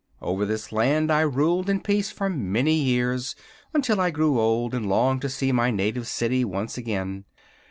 Over this Land I ruled in peace for many years, until I grew old and longed to see my native city once again.